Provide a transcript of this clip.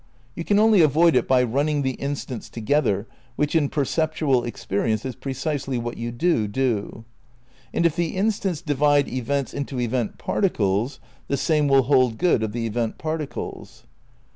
(You can only avoid it by running the instants to gether, which in perceptual experience is precisely what you do do.) And if the instants divide events into event particles, the same will hold good of the event particles.